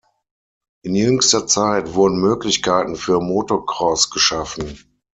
In jüngster Zeit wurden Möglichkeiten für Motocross geschaffen.